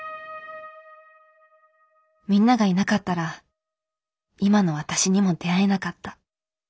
みんながいなかったら今の私にも出会えなかった。